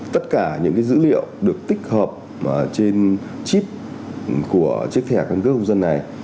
tất cả những cái dữ liệu được tích hợp trên chip của chiếc thẻ căn cứ công dân này